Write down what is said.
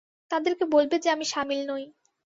তাদেরকে বলবে যে আমি শামিল নই।